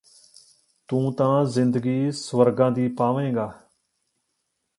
ਤੂੰ ਤਾਂ ਜ਼ਿੰਦਗੀ ਸਵਰਗਾਂ ਦੀ ਪਾਵੇਂਗਾ